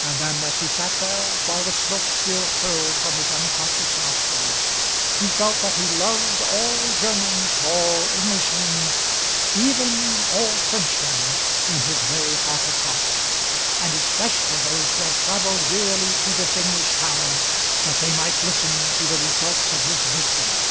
And then as he sat there, while the smoke still curled from his unconscious nostrils, he felt that he loved all Germans, all Englishmen, even all Frenchmen, in his very heart of hearts, and especially those who had travelled wearily to this English town that they might listen to the results of his wisdom.